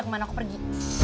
keman aku pergi